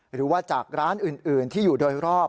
หรือว่าจากร้านอื่นที่อยู่โดยรอบ